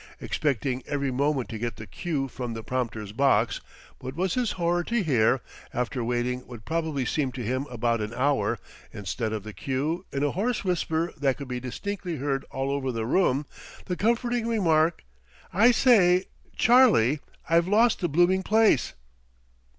Expecting every moment to get the cue from the prompter's box, what was his horror to hear, after waiting what probably seemed to him about an hour, instead of the cue, in a hoarse whisper that could be distinctly heard all over the room, the comforting remark, "I say, Charlie, I've lost the blooming place!"